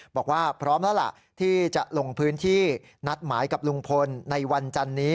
บอกว่าพร้อมแล้วล่ะที่จะลงพื้นที่นัดหมายกับลุงพลในวันจันนี้